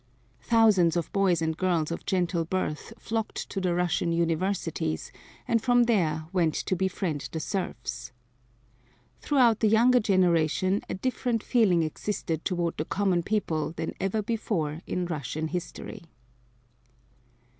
Thousands of boys and girls of gentle birth flocked to the Russian Universities and from there went to befriend the serfs. Throughout the younger generation a different feeling existed toward the common people than ever before in Russian history.